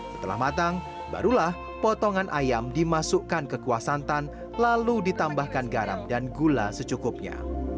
setelah matang barulah potongan ayam dimasukkan ke kuah santan lalu ditambahkan garam dan gula secukupnya